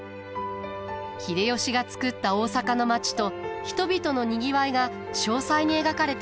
秀吉が造った大坂の町と人々のにぎわいが詳細に描かれています。